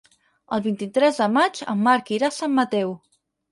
El vint-i-tres de maig en Marc irà a Sant Mateu.